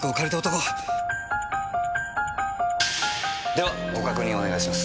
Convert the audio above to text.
ではご確認お願いします。